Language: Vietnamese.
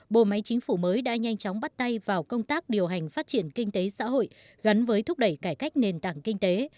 bộ máy chính phủ mới đã nhanh chóng bắt tay vào công tác điều hành phát triển kinh tế xã hội gắn với thúc đẩy cải cách nền tảng kinh tế